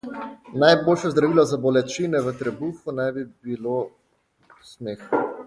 Najboljše zdravilo za bolečine v trebuhu naj bi bilo smeh.